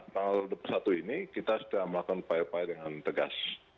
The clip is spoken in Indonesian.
tanggal dua puluh satu ini kita sudah melakukan upaya upaya dengan tegas